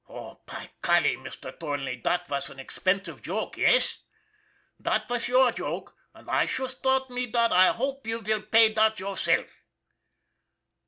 Oh, py golly, Mister Thornley, dot vas an expensive joke yess? Dot vas your joke, und I shusht thought me dot I hope you will pay dot yourself."